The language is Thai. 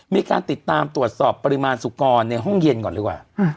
มีการติดตามตรวจสอบปริมาณสุกรในห้องเย็นก่อนดีกว่า